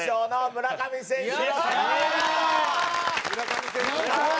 村上選手。